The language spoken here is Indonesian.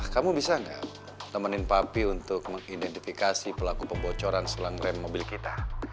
kamu bisa nggak nemenin papi untuk mengidentifikasi pelaku pembocoran selang rem mobil kita